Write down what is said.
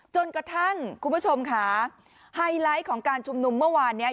จนกระทั่งคุณผู้ชมค่ะไฮไลท์ของการชุมนุมเมื่อวานเนี่ย